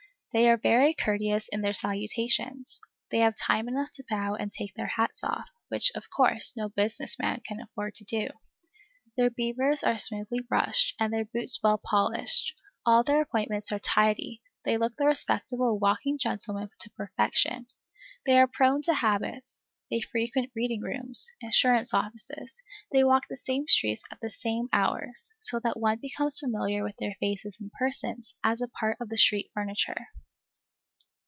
They are very courteous in their salutations; they have time enough to bow and take their hats off, which, of course, no businessman can afford to do. Their beavers are smoothly brushed, and their boots well polished; all their appointments are tidy; they look the respectable walking gentleman to perfection. They are prone to habits, they frequent reading rooms, insurance offices, they walk the same streets at the same hours, so that one becomes familiar with their faces and persons, as a part of the street furniture.